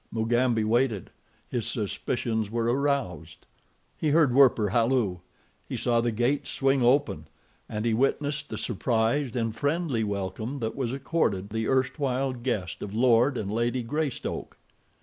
Mugambi waited. His suspicions were aroused. He heard Werper halloo; he saw the gates swing open, and he witnessed the surprised and friendly welcome that was accorded the erstwhile guest of Lord and Lady Greystoke.